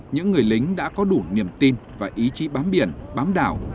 những người lính đã có đủ niềm tin và ý chí bám biển bám đảo